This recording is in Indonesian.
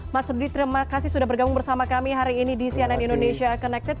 mas rubdi terima kasih sudah bergabung bersama kami hari ini di cnn indonesia connected